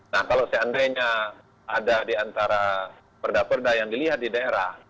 nah kalau seandainya ada di antara perda perda yang dilihat di daerah